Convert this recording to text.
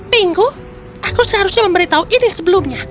pingu aku seharusnya memberitahu ini sebelumnya